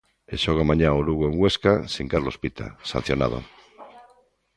E xoga mañá o Lugo en Huesca sen Carlos Pita, sancionado.